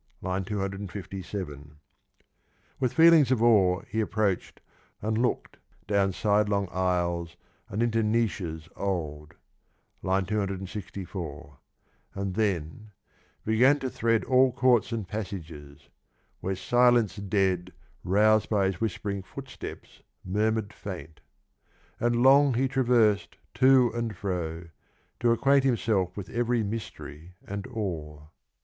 (II. 257) With feelings of awe he approached and looked " down sidelong aisles and into niches old " (264) and then began to thread All courts and passages, "S'herc silence dead Rous'd hy his whispering footsteps murmured faint : And long he travers'd to and fro, to acquaint Himself with every mystery and awe.